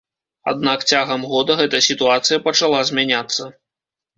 Аднак цягам года гэта сітуацыя пачала змяняцца.